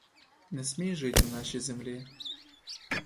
Не смій жить у нашій землі.